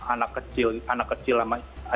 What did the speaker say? anak kecil casesh namanya